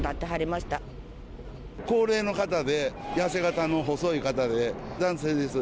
高齢の方で、痩せ型の細い方で、男性です。